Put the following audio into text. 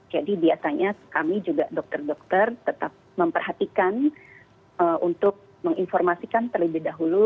jadi biasanya kami juga dokter dokter tetap memperhatikan untuk menginformasikan terlebih dahulu